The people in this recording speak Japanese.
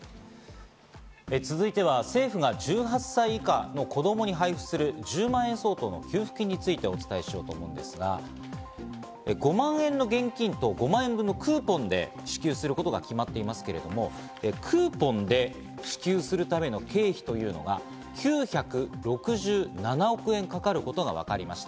続いては政府が１８歳以下の子供に配布する１０万円相当の給付金についてお伝えしようと思うんですが、５万円の現金と、５万円分のクーポンで支給することが決まっていますけれども、クーポンで支給するための経費というのが、９６７億円かかることがわかりました。